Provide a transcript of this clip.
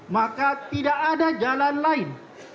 maka tidak ada jalan lain